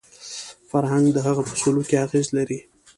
فرهنګ د هغه په سلوک کې اغېز لري